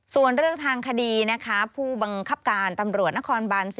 ส่วนเรื่องทางคดีนะคะผู้บังคับการตำรวจนครบาน๔